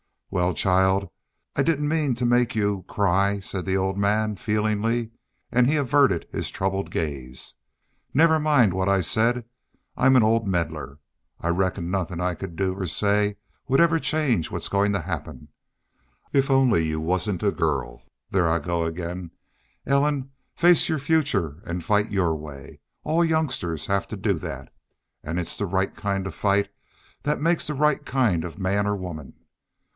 "Wal, child, I I didn't mean to to make you cry," said the old man, feelingly, and he averted his troubled gaze. "Never mind what I said. I'm an old meddler. I reckon nothin' I could do or say would ever change what's goin' to happen. If only you wasn't a girl! ... Thar I go ag'in. Ellen, face your future an' fight your way. All youngsters hev to do thet. An' it's the right kind of fight thet makes the right kind of man or woman.